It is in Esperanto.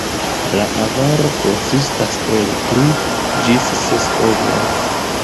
La ovaro konsistas el tri ĝis ses ovoj.